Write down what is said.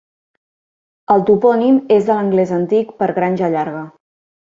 El topònim és de l'anglès antic per "granja llarga".